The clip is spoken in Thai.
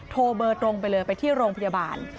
เบอร์ตรงไปเลยไปที่โรงพยาบาล